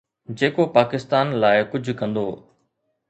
جيڪو پاڪستان لاءِ ڪجهه ڪندو